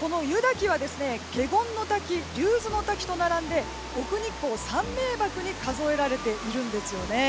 この湯滝は華厳の滝竜頭ノ滝と並んで奥日光三名瀑に数えられているんですよね。